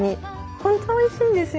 本当おいしいんですよ。